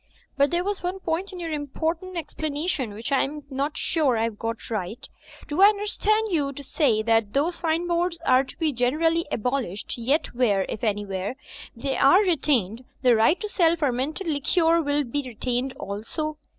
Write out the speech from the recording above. "But there was one point in your important explanation which I am not sure I have got right. Do I under stand you to say that, though sign boards are to be generally abolished, yet where, if anywhere, they are retained, the right to sell fermented liquor will be retained also?